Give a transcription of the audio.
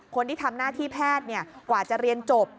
คนที่ทำหน้าที่แพทย์กว่าจะเรียนจบ